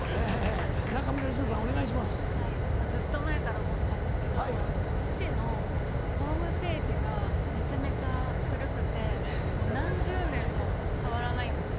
はいまぁずっと前から思ってたんですけど父のホームページがめちゃめちゃ古くてもう何十年も変わらないんですよ。